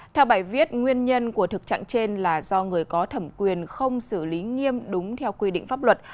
theo bài viết nguyên nhân của thực trạng trên là do người có thẩm quyền không xử lý nghiêm đúng theo quy định pháp luật